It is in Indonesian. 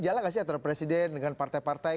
jalan gak sih antara presiden dengan partai partai